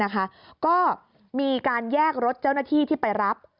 ก็มีการแยกรถเจ้าหน้าที่ที่ไปรับ